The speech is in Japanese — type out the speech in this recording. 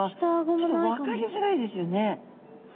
ちょっと分かりづらいですよね。